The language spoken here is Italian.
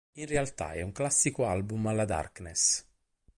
In realtà è un classico album alla Darkness".